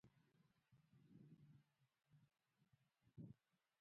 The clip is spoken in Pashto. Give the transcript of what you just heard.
هوا د افغان ځوانانو د هیلو استازیتوب کوي.